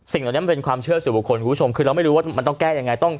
เหล่านี้มันเป็นความเชื่อสู่บุคคลคุณผู้ชมคือเราไม่รู้ว่ามันต้องแก้ยังไง